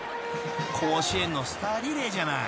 ［甲子園のスターリレーじゃない］